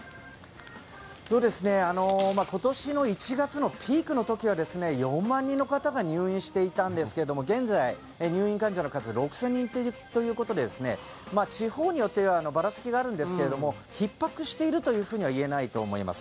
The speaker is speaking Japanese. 今年の１月のピークの時は４万人の方が入院していたんですけども現在、入院患者の数６０００人ということで地方によってばらつきがあるんですがひっ迫しているというふうには言えないと思います。